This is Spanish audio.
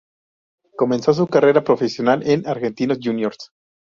Comenzó su carrera profesional en Argentinos Juniors.